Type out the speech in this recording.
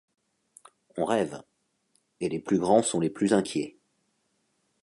On rêve ; et les plus grands sont les plus inquiets ;